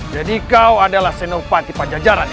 jadi kau adalah senur pati panjajaran ini